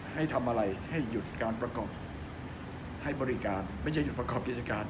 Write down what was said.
ให้ทำอะไรให้หยุดการประกอบให้บริการไม่ใช่หยุดประกอบกิจการ